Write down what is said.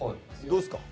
どうっすか？